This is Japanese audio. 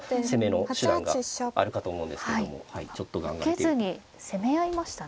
受けずに攻め合いましたね。